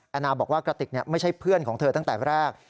นานาบอกว่ากระติกไม่ใช่เพื่อนของเธอตั้งแต่แรก